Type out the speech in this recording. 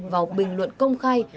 vào bình luận công khai